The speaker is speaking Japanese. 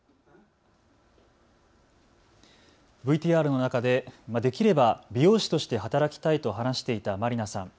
ＶＴＲの中でできれば美容師として働きたいと話していたマリナさん。